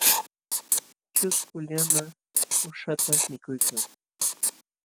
Ćhusku llaman quśhqata mikuykan.